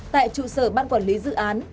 tại trụ sở ban quản lý dự án